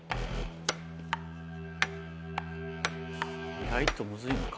意外とムズいのか？